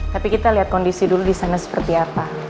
tapi kita lihat kondisi dulu disana seperti apa